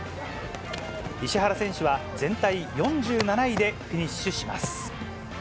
石原選手は全体４７位でフィニッシュします。